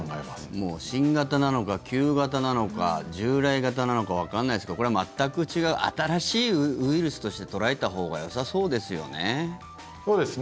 もう新型なのか旧型なのか従来型なのかわからないですけどこれは全く違う新しいウイルスとして捉えたほうがよさそうですよね。